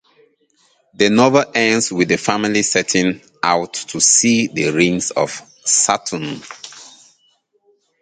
The novel ends with the family setting out to see the rings of Saturn.